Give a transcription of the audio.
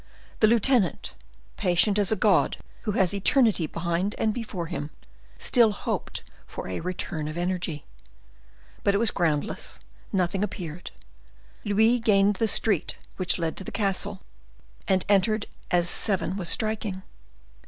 The lieutenant, patient as a god who has eternity behind and before him, still hoped for a return of energy. But it was groundless, nothing appeared. Louis gained the street which led to the castle, and entered as seven was striking.